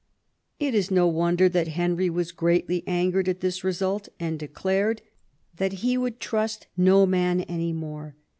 It is no wonder that Henry was greatly angered at this result, and declared that he would trust no man any more.